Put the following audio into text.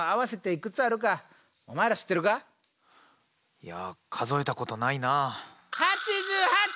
いや数えたことないなあ。